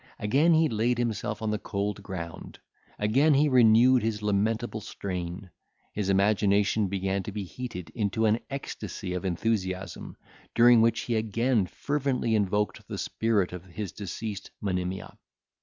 Again he laid himself on the cold ground; again he renewed his lamentable strain; his imagination began to be heated into an ecstasy of enthusiasm, during which he again fervently invoked the spirit of his deceased Monimia.